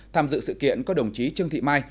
tham dự sự kiện có đồng chí trương thị mai